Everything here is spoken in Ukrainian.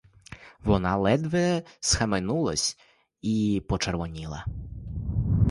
Вона ледве схаменулась і почервоніла.